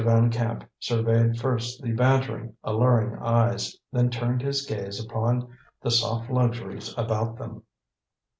Van Camp surveyed first the bantering, alluring eyes, then turned his gaze upon the soft luxuries about them.